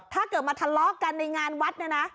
ถ้าเกิดมาทะเลาะกันในงานวัดเนี่ยนะ